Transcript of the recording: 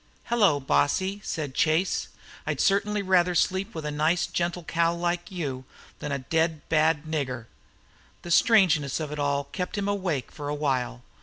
"Hello, bossy!" said Chase. "I'd certainly rather sleep with a nice, gentle cow like you than a dead bad nigger." The strangeness of it all kept him awake for a while.